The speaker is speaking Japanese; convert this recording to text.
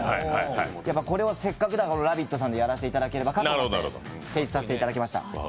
これはせっかくなら「ラヴィット！」さんでやらせていただければと思って提出させていただきました。